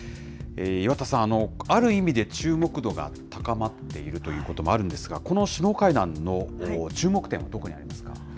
岩田さん、ある意味で注目度が高まっているということもあるんですが、この首脳会談の注目点はどこにありますか。